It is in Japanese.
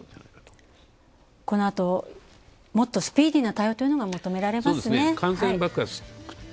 このあともっとスピーディーな対応が求められますね。